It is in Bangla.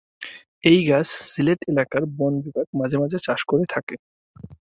এই গাছ সিলেট এলাকার বন বিভাগ মাঝে মাঝে চাষ করে থাকে।